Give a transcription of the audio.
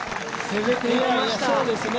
攻めていきました。